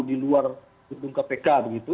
di luar hukum kpk